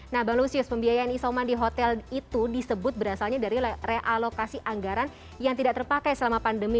nah bang lusius pembiayaan isoman di hotel itu disebut berasalnya dari realokasi anggaran yang tidak terpakai selama pandemi